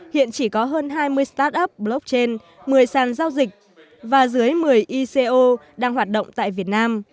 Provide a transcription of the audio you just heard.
hiện chỉ có hơn hai mươi start up blockchain một mươi sàn giao dịch và dưới một mươi ico đang hoạt động tại việt nam